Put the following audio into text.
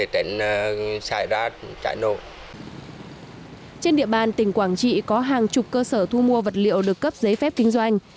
trên địa bàn tỉnh quảng trị có hàng chục cơ sở thu mua vật liệu được cấp giấy phép kinh doanh